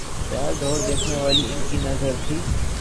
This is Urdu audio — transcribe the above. کیا دور دیکھنے والی ان کی نظر تھی۔